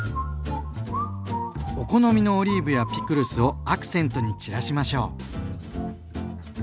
お好みのオリーブやピクルスをアクセントに散らしましょう。